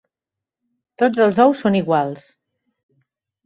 Tots els ous són iguals.